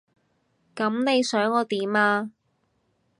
噉你想我點啊？